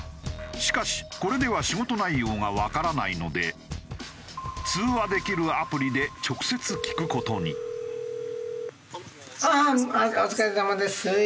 しかしこれでは仕事内容がわからないので通話できるアプリでああーお疲れさまです。